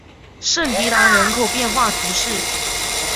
圣蒂兰人口变化图示